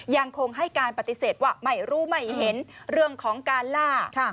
ยังคงให้การปฏิเสธว่าไม่รู้ไม่เห็นเรื่องของการล่า